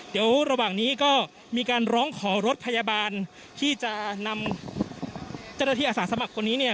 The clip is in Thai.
เดี๋ยวระหว่างนี้ก็มีการร้องขอรถพยาบาลที่จะนำเจ้าหน้าที่อาสาสมัครคนนี้เนี่ย